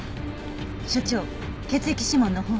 所長血液指紋のほうは？